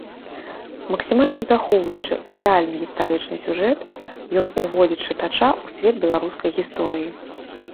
Максімальна захоўваючы рэальны гістарычны сюжэт, ён уводзіць чытача ў свет беларускай гісторыі.